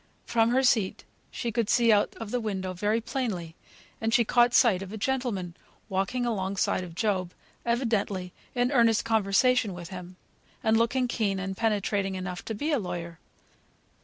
From her seat she could see out of the window pretty plainly, and she caught sight of a gentleman walking alongside of Job, evidently in earnest conversation with him, and looking keen and penetrating enough to be a lawyer.